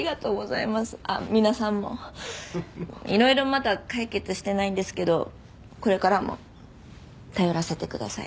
いろいろまだ解決してないんですけどこれからも頼らせてください。